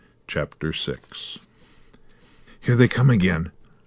CHAPTER VI "Here they come again."